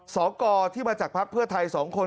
สกที่มาจากภักดิ์เพื่อไทย๒คน